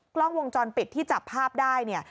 กล้องวงจรปิดที่จับภาพได้